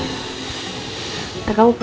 aku ada dress warna pink